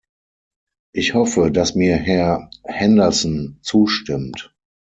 Ich hoffe, dass mir Herr Henderson zustimmt.